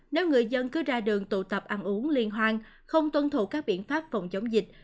nếu người dân cứ ra đường tụ tập ăn uống liên hoan không tuân thủ các biện pháp phòng chống dịch